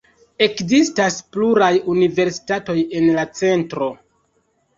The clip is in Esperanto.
Ekzistas pluraj universitatoj en la centro.